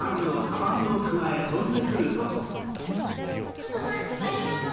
トトさんありがとう。